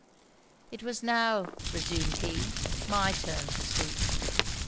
'It was now,' reassumed he, 'my turn to speak.